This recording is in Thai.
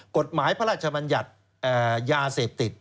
กฎหมายพระราชบัญญัติยาเสพติด